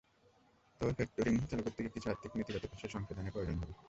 তবে ফ্যাক্টরিং চালু করতে কিছু আর্থিক নীতিগত বিষয় সংশোধনের প্রয়োজন হবে।